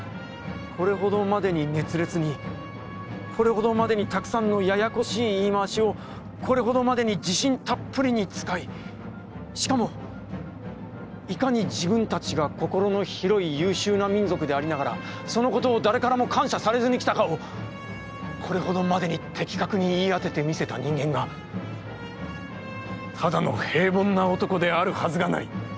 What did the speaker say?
これほどまでに熱烈に、これほどまでにたくさんのややこしい言い回しを、これほどまでに自信たっぷりに使い、しかもいかに自分たちが心の広い優秀な民族でありながら、そのことを誰からも感謝されずにきたかを、これほどまでに的確に言い当てて見せた人間が、ただの平凡な男であるはずがない」。